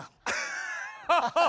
ハハハハ！